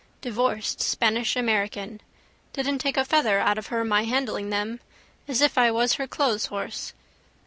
Divorced Spanish American. Didn't take a feather out of her my handling them. As if I was her clotheshorse.